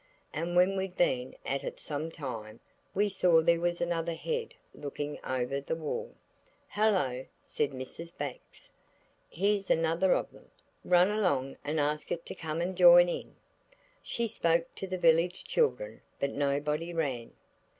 And when we'd been at it some time we saw there was another head looking over the wall. "Hullo!" said Mrs. Bax, "here's another of them, run along and ask it to come and join in." She spoke to the village children, but nobody ran.